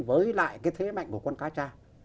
với lại cái thế mạnh của con cá tra